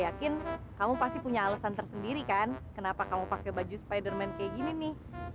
yakin kamu pasti punya alasan tersendiri kan kenapa kamu pakai baju spiderman kayak gini nih